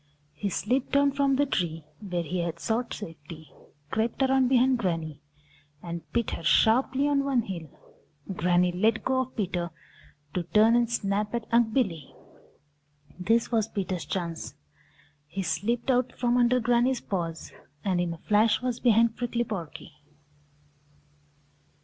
He slipped down from the tree where he had sought safety, crept around behind Granny, and bit her sharply on one heel. Granny let go of Peter to turn and snap at Unc' Billy. This was Peter's chance. He slipped out from under Granny's paws and in a flash was behind Prickly Porky.